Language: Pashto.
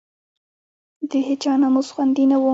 د هېچا ناموس خوندي نه وو.